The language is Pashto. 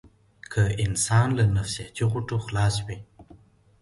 که انسان له نفسياتي غوټو خلاص وي.